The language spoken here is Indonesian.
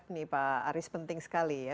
nih pak aris penting sekali ya